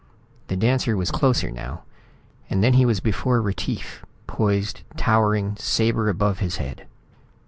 The dancer was closer now, and then he was before Retief, poised, towering, sabre above his head.